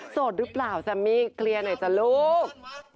หรือเปล่าแซมมี่เคลียร์หน่อยจ้ะลูก